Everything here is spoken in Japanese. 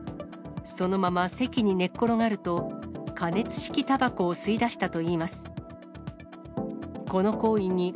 そのまま席に寝っ転がると、加熱式たばこを吸いだしたといいます。